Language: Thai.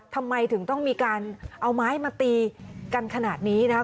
ทำไมถึงต้องมีการเอาไม้มาตีกันขนาดนี้นะครับ